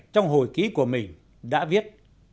trong hồi ký của mình đã viết